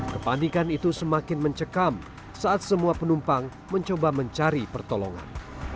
kepanikan itu semakin mencekam saat semua penumpang mencoba mencari pertolongan